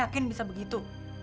kamu yakin bisa begitu